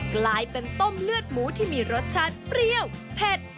กลายเป็นต้มเลือดหมูที่มีรสชาติเปรี้ยวเผ็ด